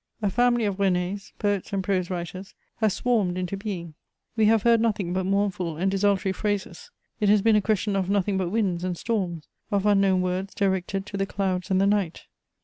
A family of Renés, poets and prose writers, has swarmed into being: we have heard nothing but mournful and desultory phrases; it has been a question of nothing but winds and storms, of unknown words directed to the clouds and the night.